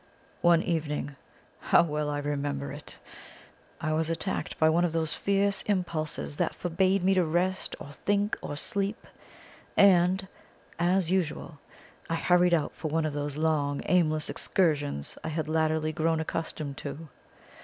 One evening how well I remember it! I was attacked by one of those fierce impulses that forbade me to rest or think or sleep, and, as usual, I hurried out for one of those long aimless excursions I had latterly grown accustomed to.